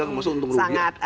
maksudnya untung rugi